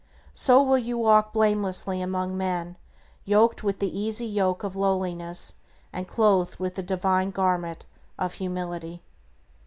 So will you walk blamelessly among men, yoked with the easy yoke of lowliness, and clothed with the divine garment of humility.